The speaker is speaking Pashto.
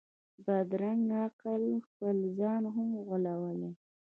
بدرنګه عقل خپل ځان هم غولوي